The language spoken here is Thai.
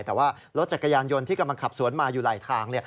แต่ว่ารถจักรยานยนต์ที่กำลังขับสวนมาอยู่ไหลทาง